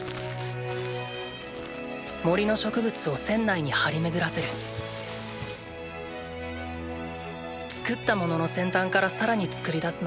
森の植物を船内に張りめぐらせる作った物の先端からさらに作り出すのはまだ難しい